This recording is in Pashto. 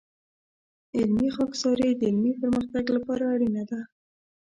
علمي خاکساري د علمي پرمختګ لپاره اړینه ده.